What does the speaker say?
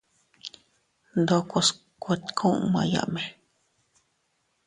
Ndokos kuetkumayame.